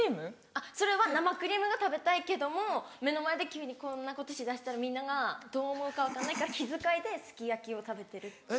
あっそれは生クリームが食べたいけども目の前で急にこんなことしだしたらみんながどう思うか分かんないから気遣いですき焼きを食べてるっていう。